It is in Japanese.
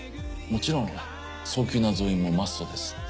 もちろん早急な増員もマストです。